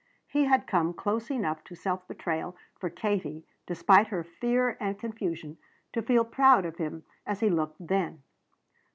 He had come close enough to self betrayal for Katie, despite her fear and confusion, to feel proud of him as he looked then.